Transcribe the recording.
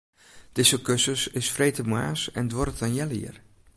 Dizze kursus is freedtemoarns en duorret in heal jier.